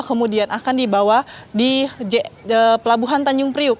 kemudian akan dibawa di pelabuhan tanjung priuk